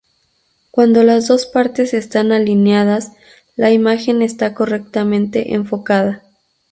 Cuando las dos partes están alineadas la imagen está correctamente enfocada.